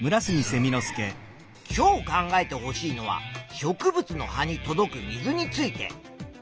今日考えてほしいのは植物の葉に届く水について。